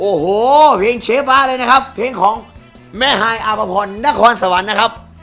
โอ้โหเพลงเชฟบ้าเลยนะครับเพลงของแม่ฮายอาภพรนครสวรรค์นะครับ